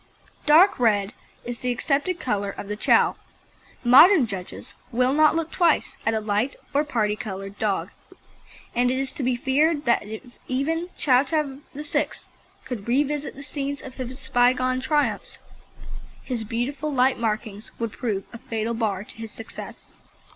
Dark red is the accepted colour of the Chow. Modern judges will not look twice at a light or parti coloured dog, and it is to be feared that if even Ch. Chow VIII. could revisit the scenes of his bygone triumphs, his beautiful light markings would prove a fatal bar to his success.